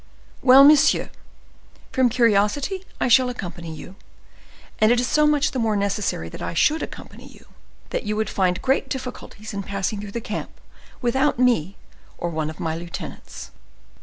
"Well, monsieur, from curiosity I shall accompany you. And it is so much the more necessary that I should accompany you, that you would find great difficulties in passing through the camp without me or one of my lieutenants."